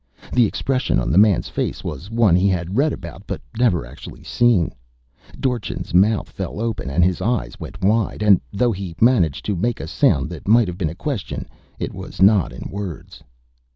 The expression on the man's face was one he had read about but never actually seen: Dorchin's mouth fell open and his eyes went wide, and though he managed to make a sound that might have been a question, it was not in words.